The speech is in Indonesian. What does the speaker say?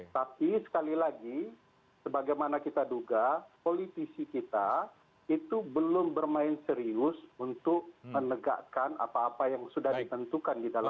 tapi sekali lagi sebagaimana kita duga politisi kita itu belum bermain serius untuk menegakkan apa apa yang sudah ditentukan di dalam